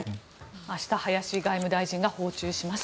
明日、林外務大臣が訪中します。